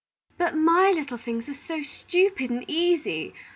"But my little things are so stupid and easy.